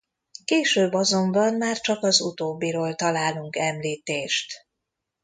Később azonban már csak az utóbbiról találunk említést.